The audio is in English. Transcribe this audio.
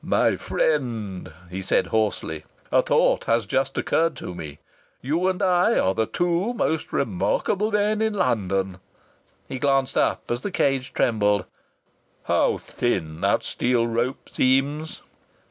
"My friend," he said hoarsely, "a thought has just occurred to me. You and I are the two most remarkable men in London!" He glanced up as the cage trembled. "How thin that steel rope seems!"